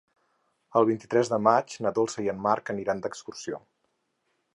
El vint-i-tres de maig na Dolça i en Marc aniran d'excursió.